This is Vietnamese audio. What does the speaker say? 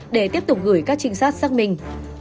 để tiếp tục gửi các trinh sát xác minh